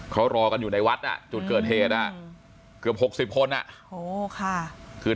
เขารอกันอยู่ในวัดจุดเกิดเหตุเกือบ๖๐คนคือ